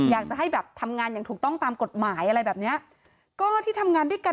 อยากจะให้แบบทำงานอย่างถูกต้องตามกฎหมายอะไรแบบเนี้ยก็ที่ทำงานด้วยกัน